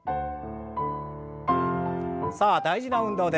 さあ大事な運動です。